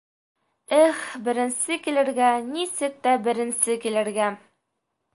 Эх, беренсе килергә, нисек тә беренсе килергә!